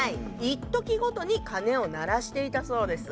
いっときごとに鐘を鳴らしていたそうです。